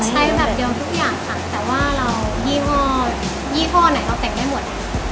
ใช้แบบเดียวทุกอย่างค่ะแต่ว่ายี่ห้อไหนเราแต่งได้หมด